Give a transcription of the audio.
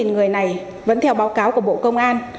ba mươi một người này vẫn theo báo cáo của bộ công an